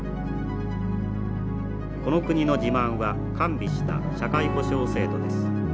この国の自慢は完備した社会保障制度です。